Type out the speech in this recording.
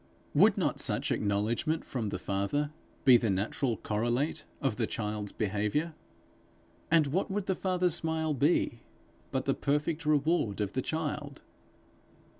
Would not such acknowledgment from the father be the natural correlate of the child's behaviour? and what would the father's smile be but the perfect reward of the child?